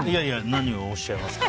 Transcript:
何をおっしゃいますか。